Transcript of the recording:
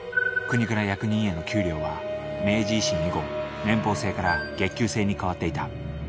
国から役人への給料は明治維新以後年俸制から月給制に変わっていた。